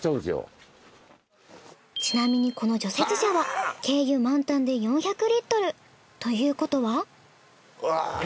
ちなみにこの除雪車は軽油満タンで４００リットル！ということは。